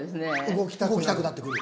動きたくなって来る。